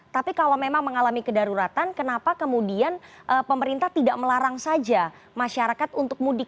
tapi kalau memang mengalami kedaruratan kenapa kemudian pemerintah tidak melarang saja masyarakat untuk mudik